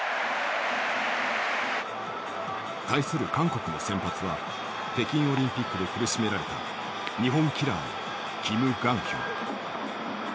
対する韓国の先発は北京オリンピックで苦しめられた日本キラーのキム・グァンヒョン。